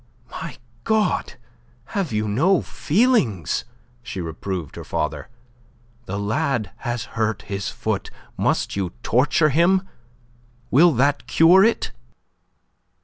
"My God, have you no feelings?" she reproved her father. "The lad has hurt his foot. Must you torture him? Will that cure it?"